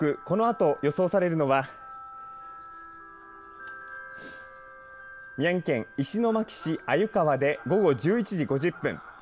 このあと予想されるのは宮城県石巻市鮎川で午後１１時５０分。